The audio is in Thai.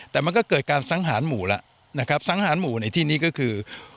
แต่มันก็เกิดการสังหารหมู่แล้วนะครับสังหารหมู่ในที่นี้ก็คือ